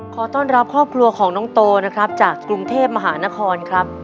ขอต้อนรับครอบครัวของน้องโตนะครับจากกรุงเทพมหานครครับ